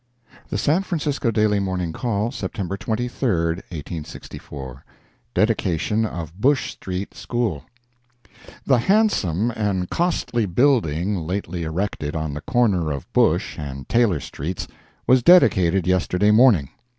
The San Francisco Daily Morning Call, September 23, 1864 DEDICATION OF BUSH STREET SCHOOL The handsome and costly building lately erected on the corner of Bush and Taylor streets, was dedicated yesterday morning.